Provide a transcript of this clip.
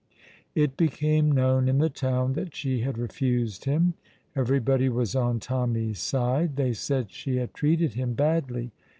It became known in the town that she had refused him. Everybody was on Tommy's side. They said she had treated him badly.